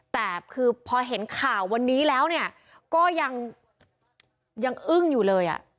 แต่คือพอเห็นข่าววันนี้แล้วเนี่ยก็ยังอึ้งอยู่เลย